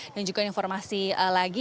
dan juga informasi lagi